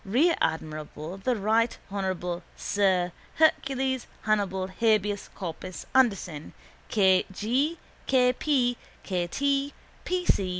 rear admiral, the right honourable sir Hercules Hannibal Habeas Corpus Anderson, K. G., K. P., K. T., P.